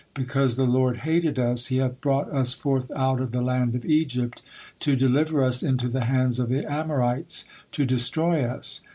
Because the Lord hated us, He hath brought us forth out of the land of Egypt, to deliver us into the hand of the Amorites, to destroy us."